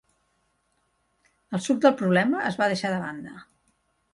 El suc del problema es va deixar de banda.